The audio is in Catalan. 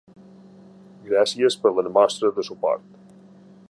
Gràcies per les mostres de suport.